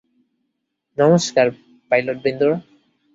নমস্কার, পাইলটবৃন্দরা।